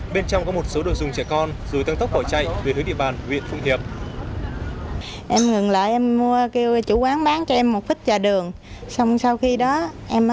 bên trong có một số đồ dùng trẻ con rồi tăng tốc bỏ chạy về hướng địa bàn huyện phụng hiệp